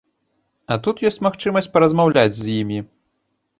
А тут ёсць магчымасць паразмаўляць з імі.